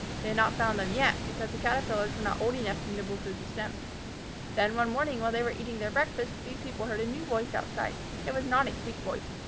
They had not found them yet, because the Caterpillars were not old enough to nibble through the stems. Then, one morning while they were eating their breakfast, these people heard a new voice outside. It was not a sweet voice.